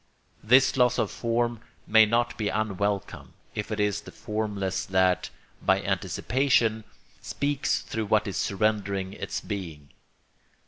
This loss of form may not be unwelcome, if it is the formless that, by anticipation, speaks through what is surrendering its being.